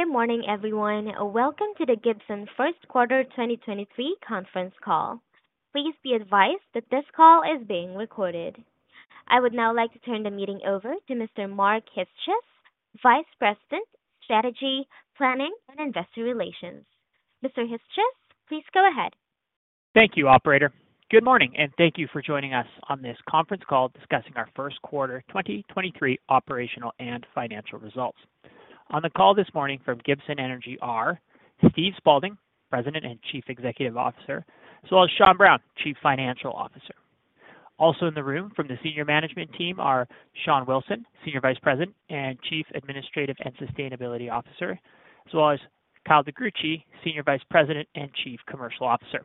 Good morning, everyone. Welcome to the Gibson Q1 2023 conference call. Please be advised that this call is being recorded. I would now like to turn the meeting over to Mr. Mark Chyc-Cies, Vice President, Strategy, Planning, and Investor Relations. Mr. Hischkis, please go ahead. Thank you, operator. Good morning, and thank you for joining us on this conference call discussing our Q1 2023 operational and financial results. On the call this morning from Gibson Energy are Steve Spaulding, President and Chief Executive Officer, as well as Sean Brown, Chief Financial Officer. Also in the room from the senior management team are Sean Wilson, Senior Vice President and Chief Administrative and Sustainability Officer, as well as Kyle DeGruchy, Senior Vice President and Chief Commercial Officer.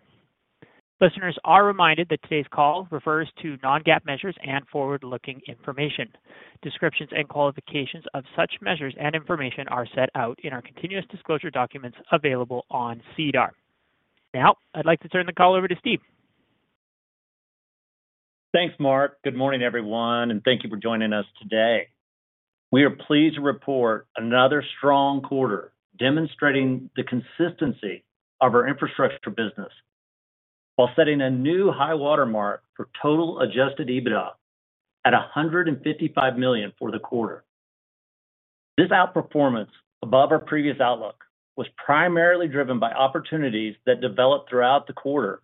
Listeners are reminded that today's call refers to non-GAAP measures and forward-looking information. Descriptions and qualifications of such measures and information are set out in our continuous disclosure documents available on SEDAR. Now, I'd like to turn the call over to Steve. Thanks, Mark. Good morning, everyone, and thank you for joining us today. We are pleased to report another strong quarter demonstrating the consistency of our infrastructure business while setting a new high watermark for total adjusted EBITDA at 155 million for the quarter. This outperformance above our previous outlook was primarily driven by opportunities that developed throughout the quarter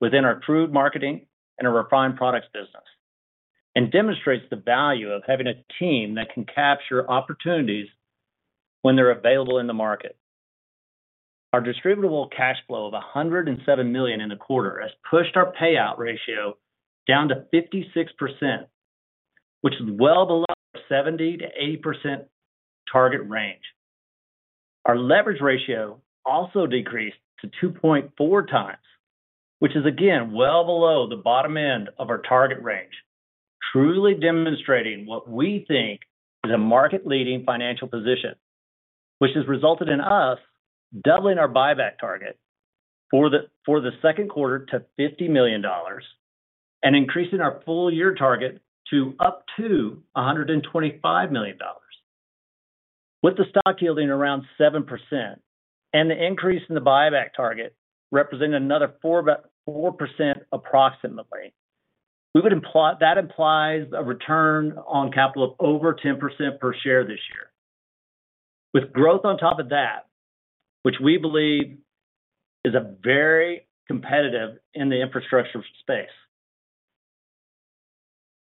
within our crude marketing and our refined products business and demonstrates the value of having a team that can capture opportunities when they're available in the market. Our distributable cash flow of 107 million in the quarter has pushed our payout ratio down to 56%, which is well below 70%-80% target range. Our leverage ratio also decreased to 2.4 times, which is again, well below the bottom end of our target range, truly demonstrating what we think is a market-leading financial position, which has resulted in us doubling our buyback target for Q2 to 50 million dollars and increasing our full-year target to up to 125 million dollars. With the stock yielding around 7% and the increase in the buyback target representing another 4% approximately, that implies a return on capital of over 10% per share this year. With growth on top of that, which we believe is a very competitive in the infrastructure space.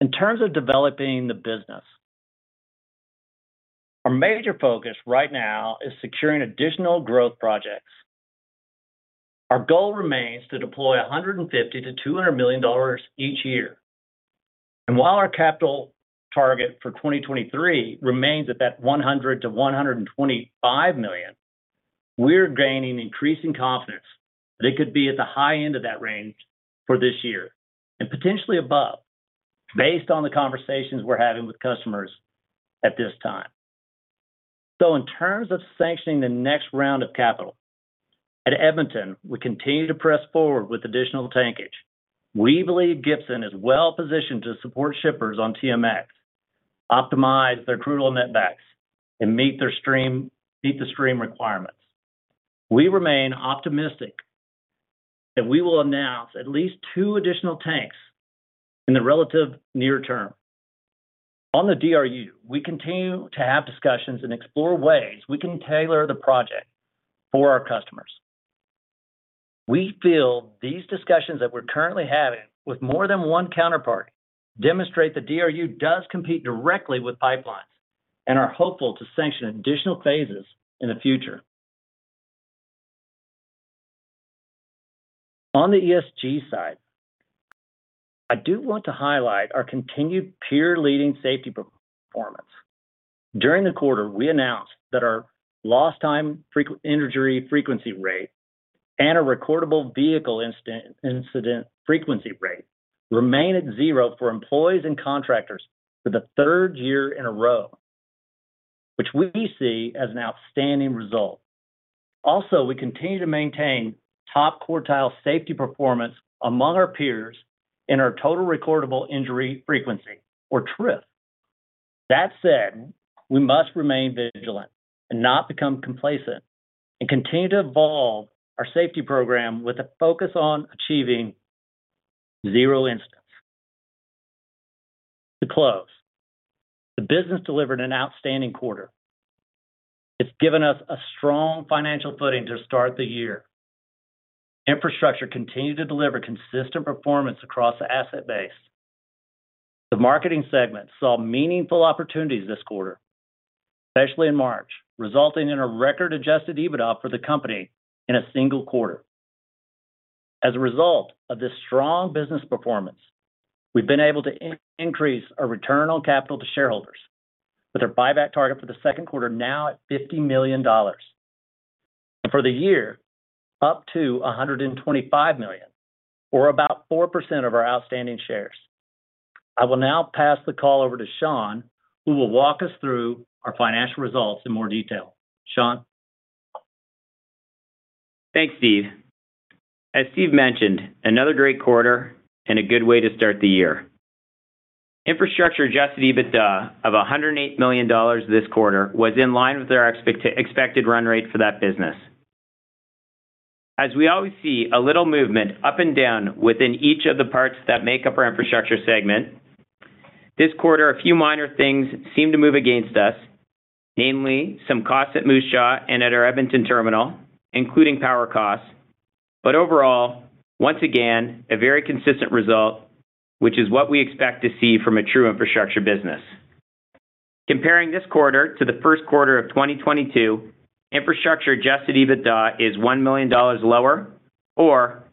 In terms of developing the business, our major focus right now is securing additional growth projects. Our goal remains to deploy 150 million-200 million dollars each year. While our capital target for 2023 remains at that 100 million-125 million, we're gaining increasing confidence that it could be at the high end of that range for this year and potentially above, based on the conversations we're having with customers at this time. In terms of sanctioning the next round of capital, at Edmonton, we continue to press forward with additional tankage. We believe Gibson is well positioned to support shippers on TMX, optimize their crude oil netbacks and meet the stream requirements. We remain optimistic that we will announce at least two additional tanks in the relative near term. On the DRU, we continue to have discussions and explore ways we can tailor the project for our customers. We feel these discussions that we're currently having with more than one counterpart demonstrate that DRU does compete directly with pipelines and are hopeful to sanction additional phases in the future. On the ESG side, I do want to highlight our continued peer-leading safety performance. During the quarter, we announced that our lost time injury frequency rate and a recordable vehicle incident frequency rate remain at 0 for employees and contractors for the 3rd year in a row, which we see as an outstanding result. We continue to maintain top quartile safety performance among our peers in our total recordable injury frequency or TRIF. That said, we must remain vigilant and not become complacent and continue to evolve our safety program with a focus on achieving 0 incidents. To close, the business delivered an outstanding quarter. It's given us a strong financial footing to start the year. Infrastructure continued to deliver consistent performance across the asset base. The marketing segment saw meaningful opportunities this quarter, especially in March, resulting in a record adjusted EBITDA for the company in a single quarter. As a result of this strong business performance, we've been able to increase our return on capital to shareholders with our buyback target for Q2 now at 50 million dollars. For the year, up to 125 million, or about 4% of our outstanding shares. I will now pass the call over to Sean, who will walk us through our financial results in more detail. Sean? Thanks, Steve. As Steve mentioned, another great quarter and a good way to start the year. Infrastructure adjusted EBITDA of 108 million dollars this quarter was in line with our expected run rate for that business. As we always see a little movement up and down within each of the parts that make up our infrastructure segment. This quarter, a few minor things seemed to move against us, namely some costs at Moose Jaw and at our Edmonton terminal, including power costs. Overall, once again, a very consistent result, which is what we expect to see from a true infrastructure business. Comparing this quarter to Q1 of 2022, infrastructure adjusted EBITDA is 1 million dollars lower or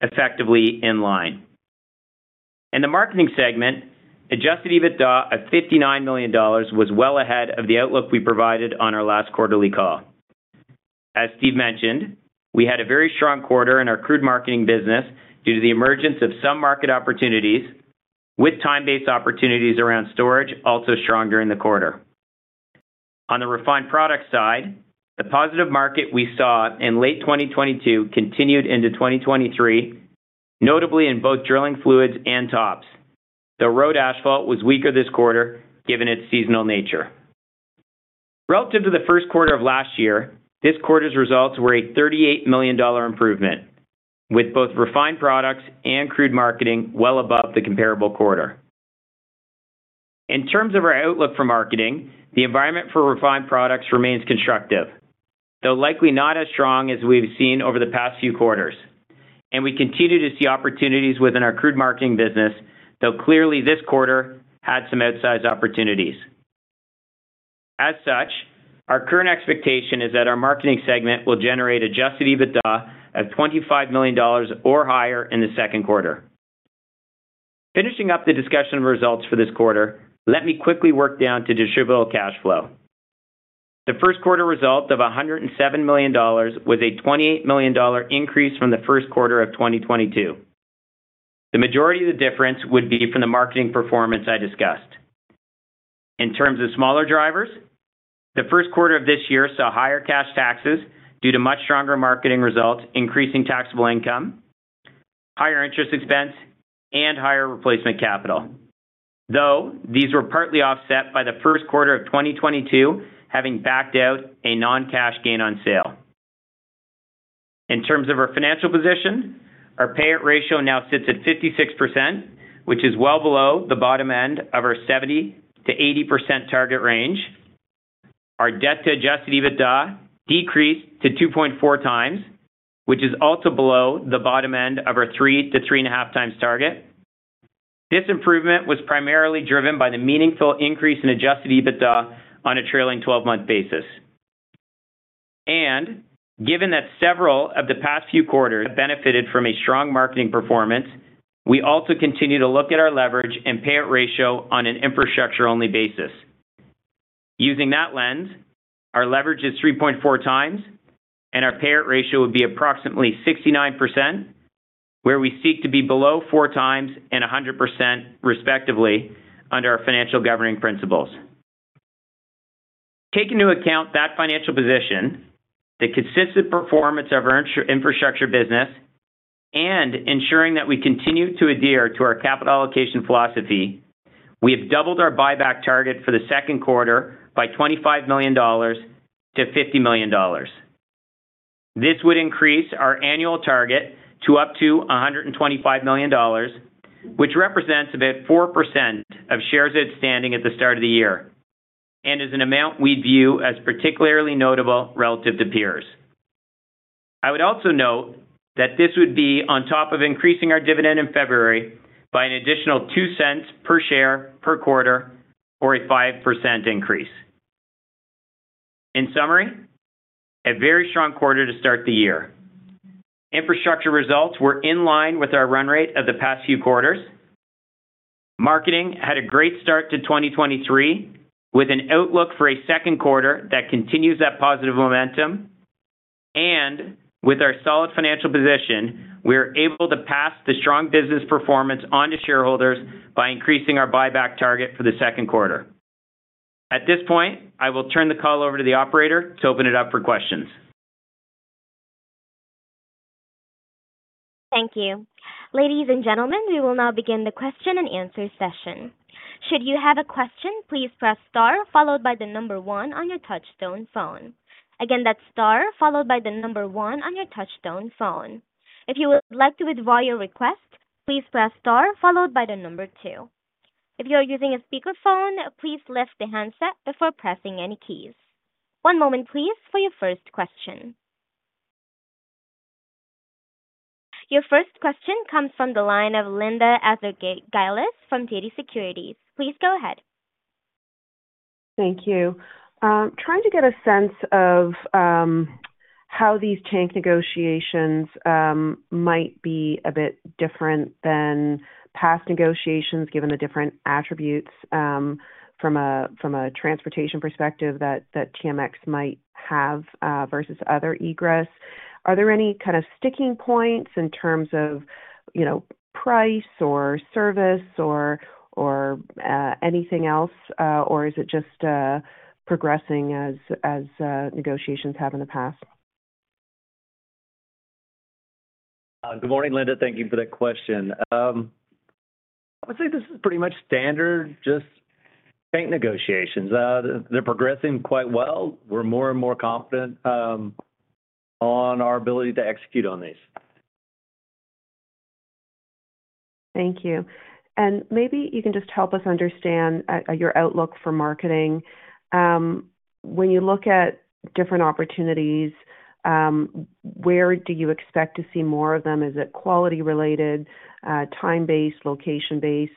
effectively in line. In the marketing segment, adjusted EBITDA of 59 million dollars was well ahead of the outlook we provided on our last quarterly call. As Steve mentioned, we had a very strong quarter in our crude marketing business due to the emergence of some market opportunities, with time-based opportunities around storage also stronger in the quarter. On the refined product side, the positive market we saw in late 2022 continued into 2023, notably in both drilling fluids and tops, though road asphalt was weaker this quarter, given its seasonal nature. Relative to Q1 of last year, this quarter's results were a 38 million dollar improvement, with both refined products and crude marketing well above the comparable quarter. In terms of our outlook for marketing, the environment for refined products remains constructive, though likely not as strong as we've seen over the past few quarters. We continue to see opportunities within our crude marketing business, though clearly this quarter had some outsized opportunities. As such, our current expectation is that our marketing segment will generate adjusted EBITDA of 25 million dollars or higher in Q2. Finishing up the discussion of results for this quarter, let me quickly work down to distributable cash flow. Q1 result of 107 million dollars was a 28 million dollar increase from Q1 of 2022. The majority of the difference would be from the marketing performance I discussed. In terms of smaller drivers, Q1 of this year saw higher cash taxes due to much stronger marketing results increasing taxable income, higher interest expense, and higher replacement capital. Though these were partly offset by Q1 of 2022 having backed out a non-cash gain on sale. In terms of our financial position, our payout ratio now sits at 56%, which is well below the bottom end of our 70%-80% target range. Our debt to adjusted EBITDA decreased to 2.4 times, which is also below the bottom end of our 3 to 3.5 times target. This improvement was primarily driven by the meaningful increase in adjusted EBITDA on a trailing twelve-month basis. Given that several of the past few quarters have benefited from a strong marketing performance, we also continue to look at our leverage and payout ratio on an infrastructure-only basis. Using that lens, our leverage is 3.4 times, and our payout ratio would be approximately 69%, where we seek to be below 4 times and 100%, respectively, under our financial governing principles. Taking into account that financial position, the consistent performance of our infrastructure business, and ensuring that we continue to adhere to our capital allocation philosophy, we have doubled our buyback target for Q2 by 25 million dollars to 50 million dollars. This would increase our annual target to up to 125 million dollars, which represents about 4% of shares outstanding at the start of the year and is an amount we view as particularly notable relative to peers. I would also note that this would be on top of increasing our dividend in February by an additional 0.02 per share per quarter or a 5% increase. A very strong quarter to start the year. Infrastructure results were in line with our run rate of the past few quarters. Marketing had a great start to 2023, with an outlook for a Q2 that continues that positive momentum. With our solid financial position, we are able to pass the strong business performance on to shareholders by increasing our buyback target for Q2. At this point, I will turn the call over to the operator to open it up for questions. Thank you. Ladies and gentlemen, we will now begin the question-and-answer session. Should you have a question, please press star followed by the number one on your touchtone phone. Again, that's star followed by the number one on your touchtone phone. If you would like to withdraw your request, please press star followed by the number two. If you are using a speakerphone, please lift the handset before pressing any keys. One moment please for your first question. Your first question comes from the line of Linda Ezergailis from TD Securities. Please go ahead. Thank you. I'm trying to get a sense of how these tank negotiations might be a bit different than past negotiations, given the different attributes from a from a transportation perspective that TMX might have versus other egress. Are there any kind of sticking points in terms of price or service or, anything else, or is it just progressing as negotiations have in the past? Good morning, Linda. Thank you for that question. I would say this is pretty much standard, just bank negotiations. They're progressing quite well. We're more and more confident on our ability to execute on these. Thank you. Maybe you can just help us understand your outlook for marketing. When you look at different opportunities, where do you expect to see more of them? Is it quality related, time-based, location-based?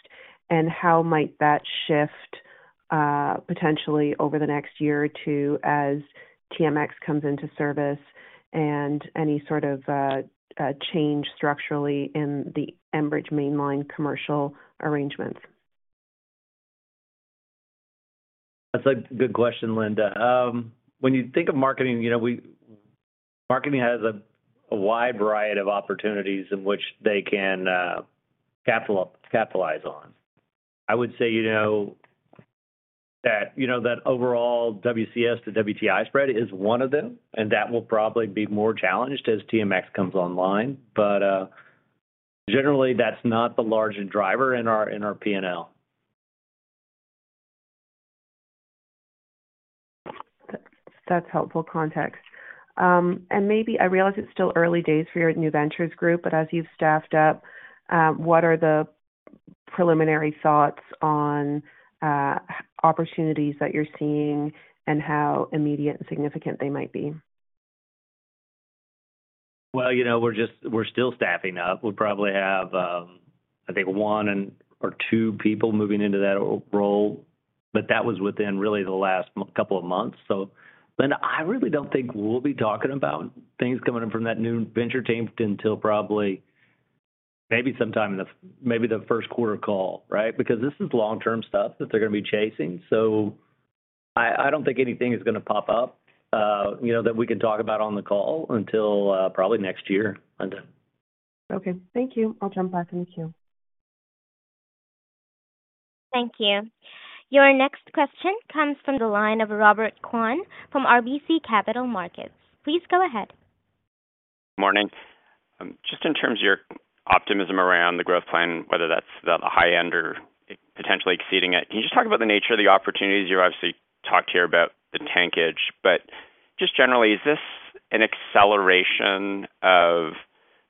How might that shift potentially over the next year or two as TMX comes into service and any sort of change structurally in the Enbridge Mainline commercial arrangements? That's a good question, Linda. When you think of marketing,, Marketing has a wide variety of opportunities in which they can capitalize on. I would say, that overall WCS to WTI spread is one of them, and that will probably be more challenged as TMX comes online. Generally, that's not the largest driver in our P&L. That's helpful context. Maybe I realize it's still early days for your new ventures group, but as you've staffed up, what are the preliminary thoughts on opportunities that you're seeing and how immediate and significant they might be? We're still staffing up. We probably have, I think 1 and or 2 people moving into that role, but that was within really the last couple of months. Linda, I really don't think we'll be talking about things coming in from that new venture team until probably maybe sometime in the 1st quarter call, right? Because this is long-term stuff that they're gonna be chasing. I don't think anything is gonna pop up, that we can talk about on the call until probably next year, Linda. Okay. Thank you. I'll jump back in the queue. Thank you. Your next question comes from the line of Robert Kwan from RBC Capital Markets. Please go ahead. Morning. Just in terms of your optimism around the growth plan, whether that's the high end or potentially exceeding it, can you just talk about the nature of the opportunities? You obviously talked here about the tankage, but just generally, is this an acceleration of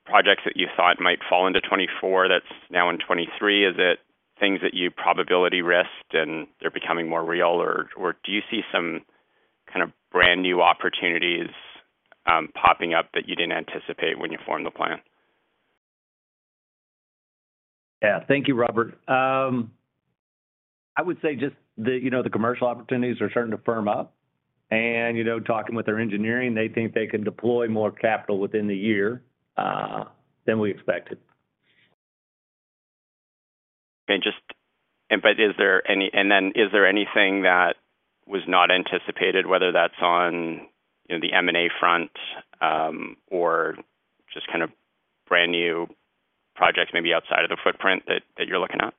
projects that you thought might fall into 2024 that's now in 2023? Is it things that you probability risked and they're becoming more real, or do you see some kind of brand-new opportunities popping up that you didn't anticipate when you formed the plan? Yeah. Thank you, Robert. I would say just the, the commercial opportunities are starting to firm up. Talking with their engineering, they think they can deploy more capital within the year, than we expected. Then is there anything that was not anticipated, whether that's on, the M&A front, or just kind of brand-new projects maybe outside of the footprint that you're looking at?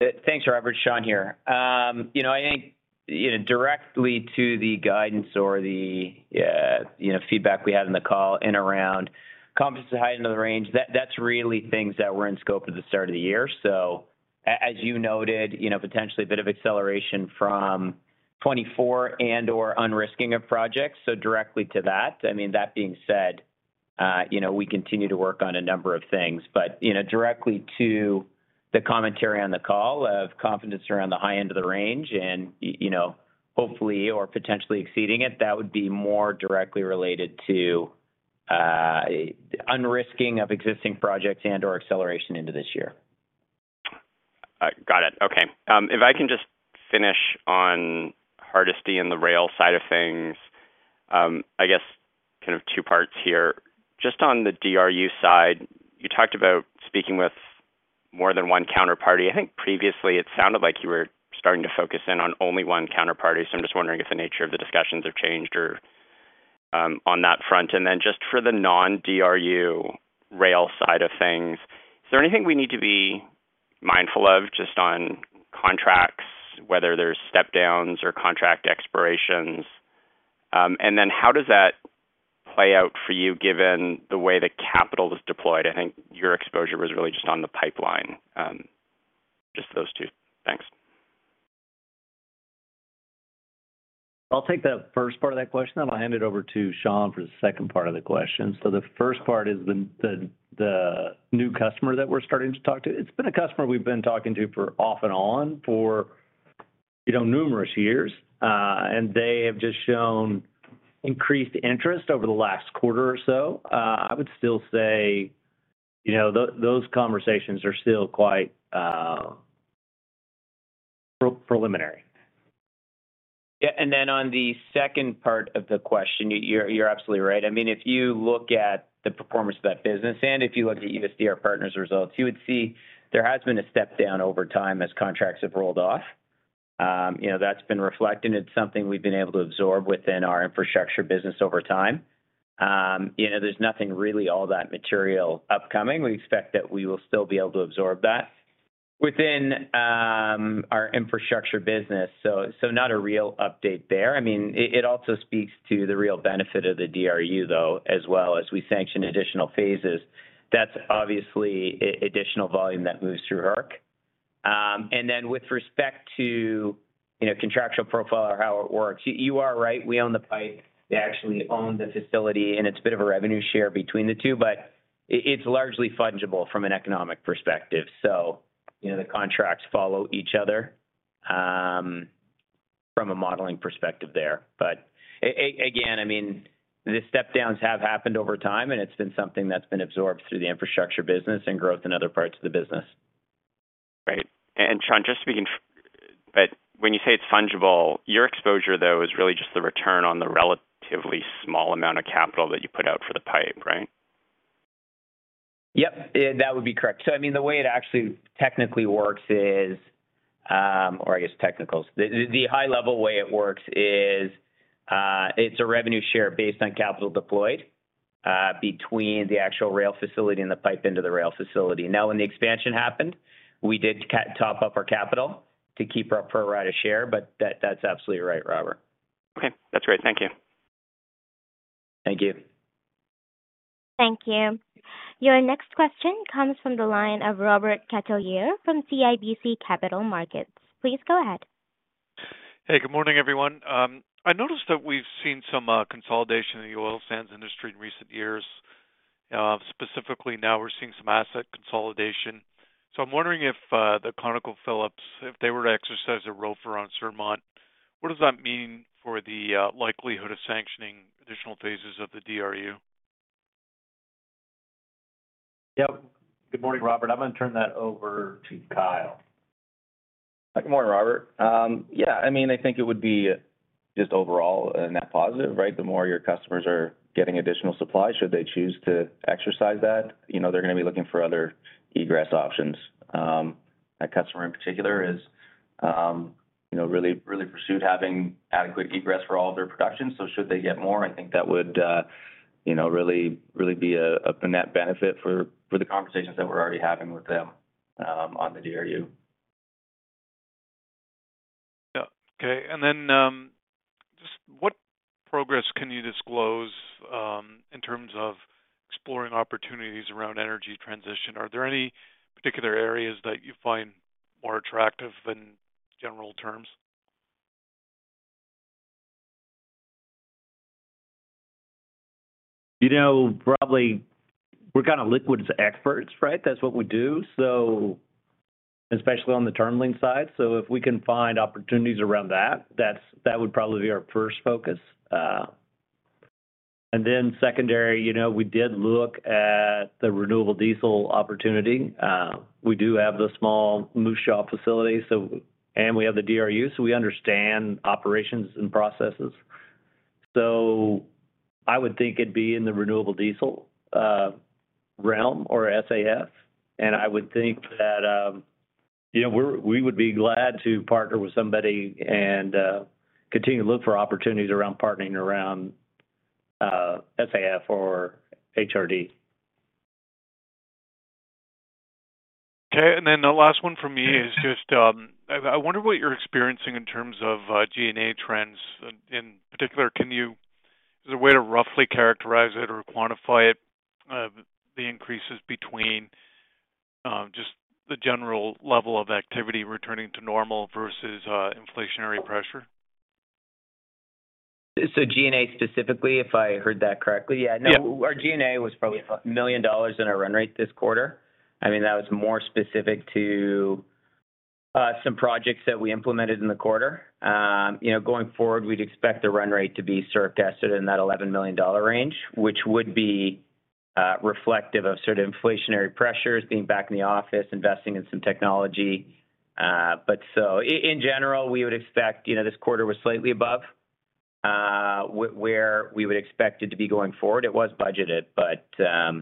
Thanks, Robert. Sean here. I think, directly to the guidance or the, feedback we had in the call in around confidence to heighten the range, that's really things that were in scope at the start of the year. As you noted, potentially a bit of acceleration from 2024 and or unrisking of projects. Directly to that. I mean, that being said, we continue to work on a number of things, but, directly to the commentary on the call of confidence around the high end of the range and, hopefully or potentially exceeding it, that would be more directly related to, unrisking of existing projects and or acceleration into this year. Got it. Okay. If I can just finish on Hardisty and the rail side of things, I guess kind of two parts here. Just on the DRU side, you talked about speaking with more than one counterparty. I think previously it sounded like you were starting to focus in on only one counterparty. I'm just wondering if the nature of the discussions have changed or on that front. Just for the non-DRU rail side of things, is there anything we need to be mindful of just on contracts, whether there's step downs or contract expirations? How does that play out for you given the way the capital was deployed? I think your exposure was really just on the pipeline. Just those two. Thanks. I'll take the first part of that question, then I'll hand it over to Sean for the second part of the question. The first part is the new customer that we're starting to talk to. It's been a customer we've been talking to for off and on for, numerous years. They have just shown increased interest over the last quarter or so. I would still say, those conversations are still quite preliminary. Yeah. On the second part of the question, you're absolutely right. I mean, if you look at the performance of that business, and if you look at Buckeye Partners results, you would see there has been a step down over time as contracts have rolled off. , that's been reflected. It's something we've been able to absorb within our infrastructure business over time., there's nothing really all that material upcoming. We expect that we will still be able to absorb that within our infrastructure business. Not a real update there. I mean, it also speaks to the real benefit of the DRU, though, as well as we sanction additional phases. That's obviously additional volume that moves through Herc. With respect to, contractual profile or how it works, you are right, we own the pipe. They actually own the facility, and it's a bit of a revenue share between the two, but it's largely fungible from an economic perspective. The contracts follow each other, from a modeling perspective there. Again, I mean, the step downs have happened over time, and it's been something that's been absorbed through the infrastructure business and growth in other parts of the business. Right. Sean, when you say it's fungible, your exposure, though, is really just the return on the relatively small amount of capital that you put out for the pipe, right? Yep. That would be correct. I mean, the way it actually technically works is, or I guess technical, the high level way it works is, it's a revenue share based on capital deployed, between the actual rail facility and the pipe into the rail facility. Now, when the expansion happened, we did top up our capital to keep our pro rata share, but that's absolutely right, Robert. Okay, that's great. Thank you. Thank you. Thank you. Your next question comes from the line of Robert Catellier from CIBC Capital Markets. Please go ahead. Good morning, everyone. I noticed that we've seen some consolidation in the oil sands industry in recent years. Specifically now we're seeing some asset consolidation. I'm wondering if the ConocoPhillips, if they were to exercise a ROFR on Surmont, what does that mean for the likelihood of sanctioning additional phases of the DRU? Yep. Good morning, Robert. I'm gonna turn that over to Kyle. Good morning, Robert. I think it would be just overall a net positive, right? The more your customers are getting additional supply, should they choose to exercise that, they're gonna be looking for other egress options. That customer in particular is, really pursued having adequate egress for all of their production. Should they get more, I think that would, really be a net benefit for the conversations that we're already having with them on the DRU. Yeah. Okay. Just what progress can you disclose, in terms of exploring opportunities around energy transition? Are there any particular areas that you find more attractive in general terms? Probably we're kinda liquids experts, right? That's what we do, so especially on the terminalling side. If we can find opportunities around that would probably be our first focus. Secondary, we did look at the renewable diesel opportunity. We do have the small Moose Jaw Facility, so, we have the DRU, so we understand operations and processes. I would think it'd be in the renewable diesel realm or SAF. I would think that, we would be glad to partner with somebody and continue to look for opportunities around partnering around SAF or HRD. Okay. Then the last one from me is just, I wonder what you're experiencing in terms of G&A trends. In particular, is there a way to roughly characterize it or quantify it, the increases between just the general level of activity returning to normal versus inflationary pressure? G&A specifically, if I heard that correctly? Yeah. Our G&A was probably 1 million dollars in our run rate this quarter. I mean, that was more specific to some projects that we implemented in the quarter. Going forward, we'd expect the run rate to be sort of tested in that 11 million dollar range, which would be reflective of sort of inflationary pressures, being back in the office, investing in some technology. In general, we would expect, this quarter was slightly above where we would expect it to be going forward. It was budgeted, but, I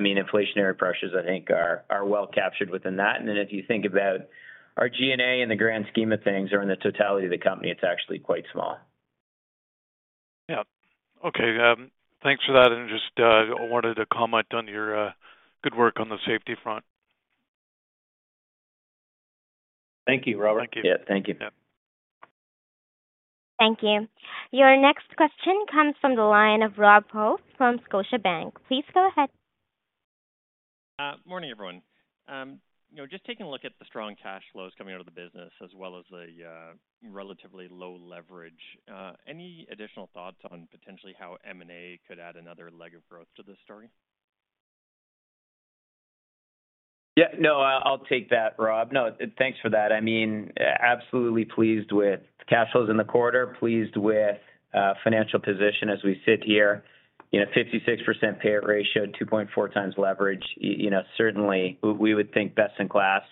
mean, inflationary pressures, I think, are well captured within that. If you think about our G&A in the grand scheme of things or in the totality of the company, it's actually quite small. Okay. Thanks for that. Just, I wanted to comment on your good work on the safety front. Thank you, Robert. Thank you. Yeah. Thank you. Yeah. Thank you. Your next question comes from the line of Robert Hope from Scotiabank. Please go ahead. Morning, everyone. Just taking a look at the strong cash flows coming out of the business as well as the relatively low leverage, any additional thoughts on potentially how M&A could add another leg of growth to this story? Yeah. No, I'll take that, Rob. No, thanks for that. I mean, absolutely pleased with the cash flows in the quarter, pleased with financial position as we sit here. 56% payout ratio, 2.4x leverage, certainly we would think best in class.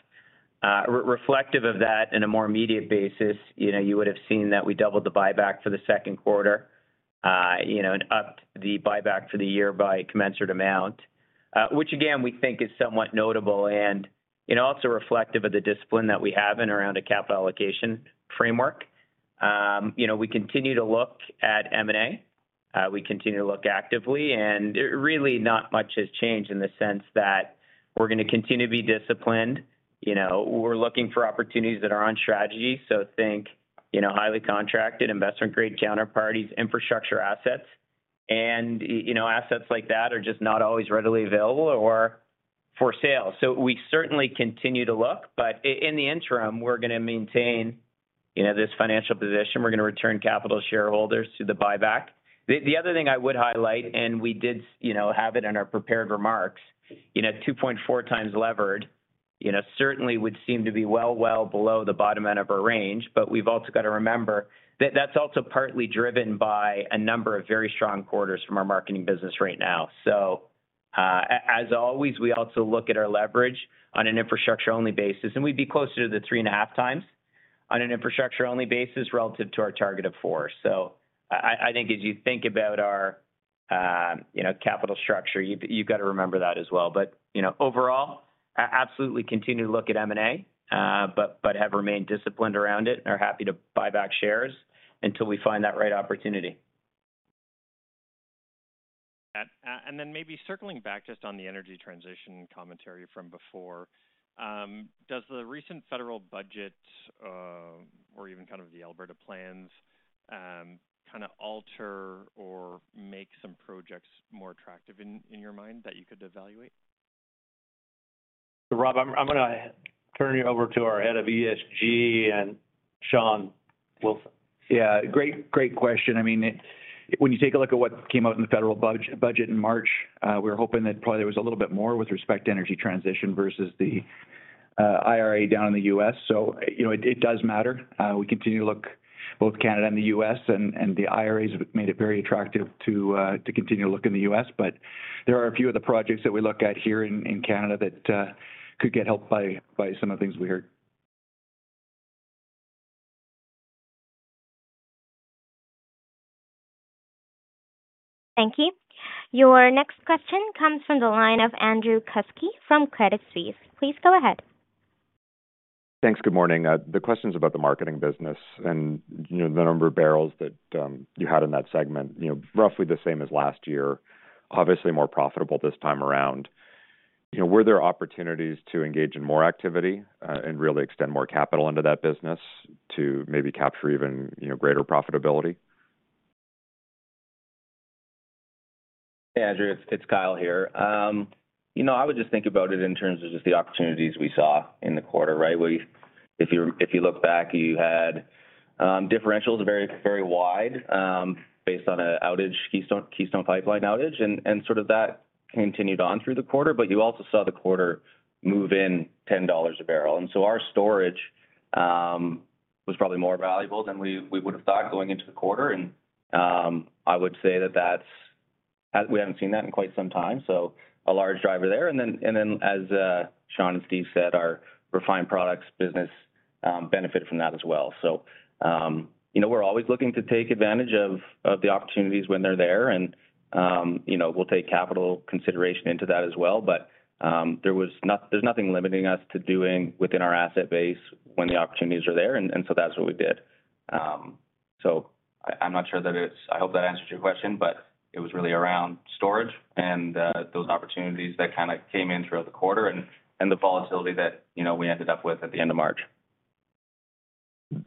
Reflective of that in a more immediate basis, you would have seen that we doubled the buyback for Q2, and upped the buyback for the year by a commensurate amount. Which again, we think is somewhat notable and, also reflective of the discipline that we have in around a capital allocation framework. We continue to look at M&A. We continue to look actively, and really not much has changed in the sense that we're gonna continue to be disciplined. We're looking for opportunities that are on strategy. think, highly contracted investment grade counterparties, infrastructure assets. Assets like that are just not always readily available or for sale. We certainly continue to look, but in the interim, we're gonna maintain, this financial position. We're gonna return capital shareholders to the buyback. The other thing I would highlight, and we did, have it in our prepared remarks, 2.4x levered, certainly would seem to be well below the bottom end of our range. We've also got to remember that that's also partly driven by a number of very strong quarters from our marketing business right now. As always, we also look at our leverage on an infrastructure-only basis, and we'd be closer to 3.5 times on an infrastructure-only basis relative to our target of 4. I think as you think about our, capital structure, you've got to remember that as well. Overall, absolutely continue to look at M&A, but have remained disciplined around it and are happy to buy back shares until we find that right opportunity. Then maybe circling back just on the energy transition commentary from before, does the recent federal budget, or even kind of the Alberta plans, kind of alter or make some projects more attractive in your mind that you could evaluate? Rob, I'm gonna turn you over to our Head of ESG and Sean Wilson. Yeah. Great, great question. I mean, when you take a look at what came out in the federal budget in March, we're hoping that probably there was a little bit more with respect to energy transition versus the IRA down in the U.S. It does matter. We continue to look both Canada and the U.S., and the IRAs have made it very attractive to continue to look in the U.S. There are a few of the projects that we look at here in Canada that could get helped by some of the things we heard. Thank you. Your next question comes from the line of Andrew Kuske from Credit Suisse. Please go ahead. Thanks. Good morning. The question's about the marketing business and, the number of barrels that, you had in that segment, roughly the same as last year, obviously more profitable this time around. Were there opportunities to engage in more activity and really extend more capital into that business to maybe capture even, greater profitability? Andrew, it's Kyle here. I would just think about it in terms of just the opportunities we saw in the quarter, right? If you look back, you had differentials very wide, based on a outage, Keystone Pipeline outage, and sort of that continued on through the quarter, you also saw the quarter move in 10 dollars a barrel. Our storage was probably more valuable than we would have thought going into the quarter. I would say We haven't seen that in quite some time. A large driver there. As Sean and Steve said, our refined products business benefit from that as well. We're always looking to take advantage of the opportunities when they're there and, we'll take capital consideration into that as well. There's nothing limiting us to doing within our asset base when the opportunities are there. That's what we did. I'm not sure that I hope that answers your question, but it was really around storage and those opportunities that came in throughout the quarter and the volatility that, we ended up with at the end of March.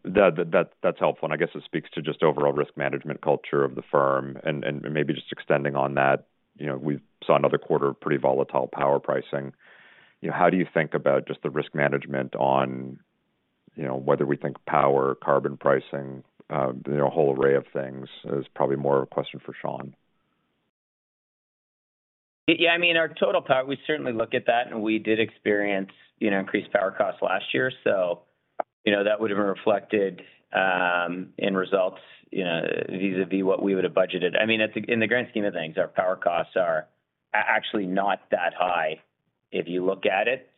That's helpful. I guess it speaks to just overall risk management culture of the firm. Maybe just extending on that, we saw another quarter of pretty volatile power pricing. How do you think about just the risk management on, whether we think power, carbon pricing, a whole array of things? It was probably more of a question for Sean. I mean, our total power, we certainly look at that, and we did experience, increased power costs last year. That would have been reflected in results, vis-a-vis what we would have budgeted. In the grand scheme of things, our power costs are actually not that high if you look at it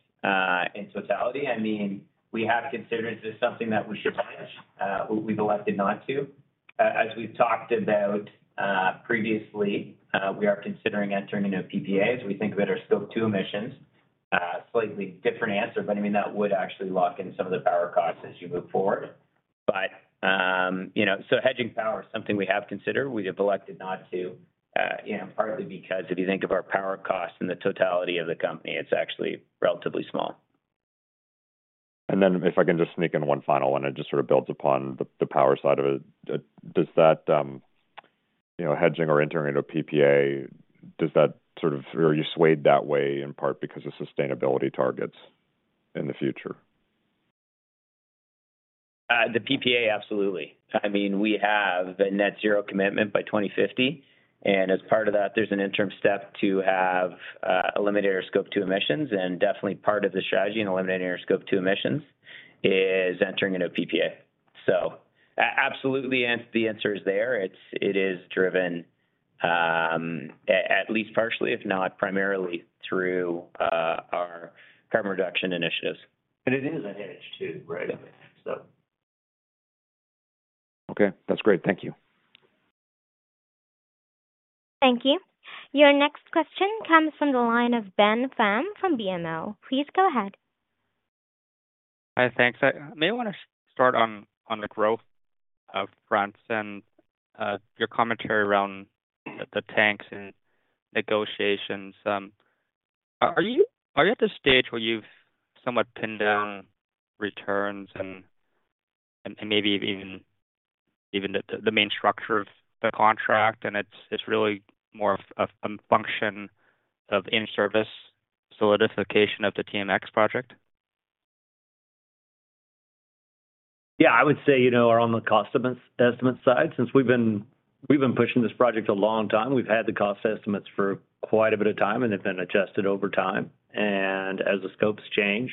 in totality. We have considered this something that we should manage, we've elected not to. As we've talked about previously, we are considering entering into PPAs. We think that are Scope 2 emissions, slightly different answer, but I mean, that would actually lock in some of the power costs as you move forward. Hedging power is something we have considered. We have elected not to, partly because if you think of our power cost and the totality of the company, it's actually relatively small. If I can just sneak in one final one, it just sort of builds upon the power side of it. Does that, hedging or entering into a PPA, Are you swayed that way in part because of sustainability targets in the future? The PPA, absolutely. I mean, we have the net zero commitment by 2050, and as part of that, there's an interim step to have eliminate our Scope 2 emissions. Definitely part of the strategy in eliminating our Scope 2 emissions is entering into PPA. Absolutely the answer is there. It is driven, at least partially, if not primarily through our carbon reduction initiatives. It is a hedge too, right? Okay, that's great. Thank you. Thank you. Your next question comes from the line of Ben Pham from BMO. Please go ahead. Hi. Thanks. I may wanna start on the growth fronts and your commentary around the tanks and negotiations. Are you at the stage where you've somewhat pinned down returns and maybe even the main structure of the contract and it's really more of a function of in-service solidification of the TMX project? Yeah, I would say, on the cost estimate side, since we've been pushing this project a long time. We've had the cost estimates for quite a bit of time and they've been adjusted over time. As the scopes change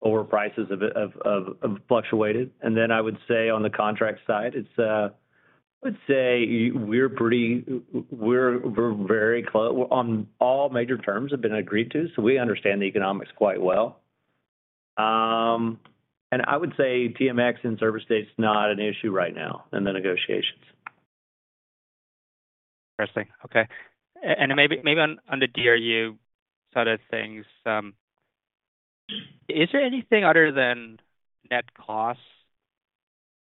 or prices fluctuated. Then I would say on the contract side, it's, I would say we're very close on all major terms have been agreed to, so we understand the economics quite well. I would say TMX in service state is not an issue right now in the negotiations. Interesting. Okay. Maybe, maybe on the DRU side of things, is there anything other than net costs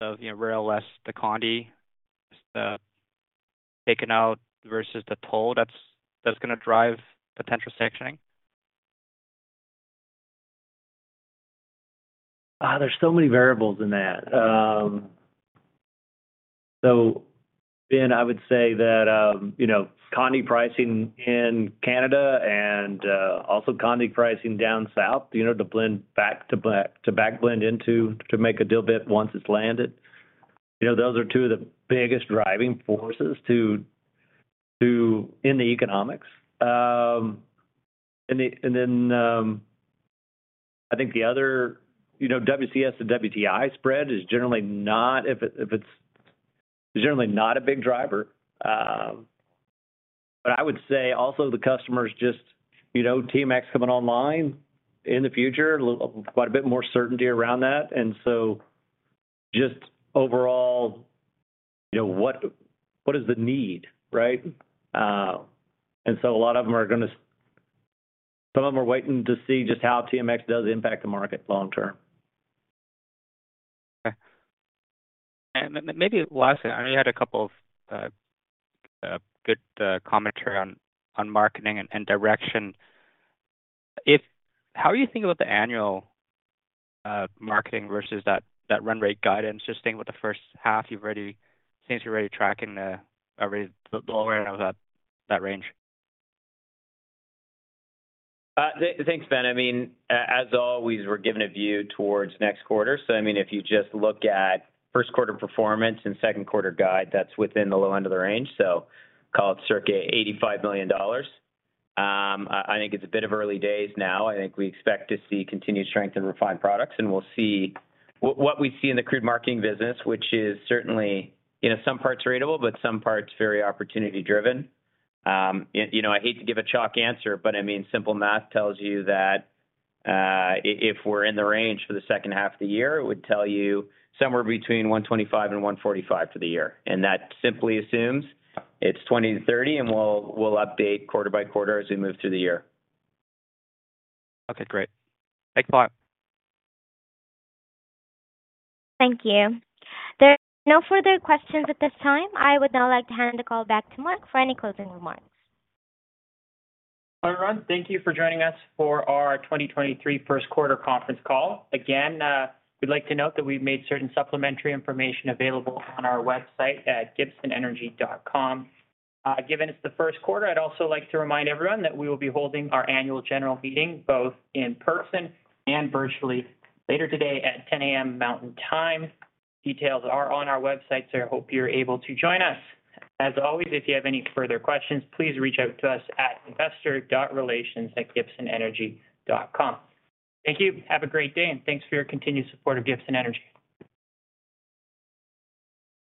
of, rail less the Condi, just, taken out versus the toll that's gonna drive potential sectioning? There's so many variables in that. Ben, I would say that, Condi pricing in Canada and, also Condi pricing down south, to blend back to back blend into to make a diluent bid once it's landed. Those are two of the biggest driving forces to in the economics. I think the other, WCS to WTI spread is generally not a big driver. I would say also the customers just, TMX coming online in the future, quite a bit more certainty around that. Just overall, what is the need, right? Some of them are waiting to see just how TMX does impact the market long term. Okay. Maybe last thing, I know you had a couple of good commentary on marketing and direction. How are you thinking about the annual marketing versus that run rate guidance, just staying with the first half, seems you're already tracking the lower end of that range. Thanks, Ben. I mean, as always, we're giving a view towards next quarter. I mean, if you just look at Q1 performance and Q2 guide, that's within the low end of the range. Call it circa 85 million dollars. I think it's a bit of early days now. I think we expect to see continued strength in refined products, and we'll see. What we see in the crude marketing business, which is certainly, some parts ratable, but some parts very opportunity driven. I hate to give a chalk answer, but I mean, simple math tells you that if we're in the range for the second half of the year, it would tell you somewhere between 125 million and 145 million for the year. That simply assumes it's 20 to 30, and we'll update quarter by quarter as we move through the year. Okay, great. Thanks a lot. Thank you. There are no further questions at this time. I would now like to hand the call back to Mark for any closing remarks. Everyone, thank you for joining us for our 2023 1st quarter conference call. We'd like to note that we've made certain supplementary information available on our website at gibsonenergy.com. Given it's the 1st quarter, I'd also like to remind everyone that we will be holding our annual general meeting both in person and virtually later today at 10:00 A.M. Mountain Time. Details are on our website. I hope you're able to join us. If you have any further questions, please reach out to us at investor.relations@gibsonenergy.com. Thank you. Have a great day, and thanks for your continued support of Gibson Energy.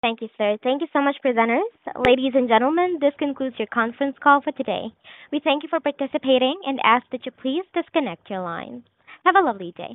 Thank you, sir. Thank you so much, presenters. Ladies and gentlemen, this concludes your conference call for today. We thank you for participating and ask that you please disconnect your line. Have a lovely day.